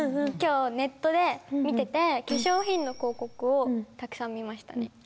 今日ネットで見てて化粧品の広告をたくさん見ましたね。